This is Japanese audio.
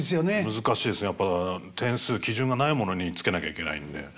難しいですねやっぱ点数基準がないものにつけなきゃいけないんで。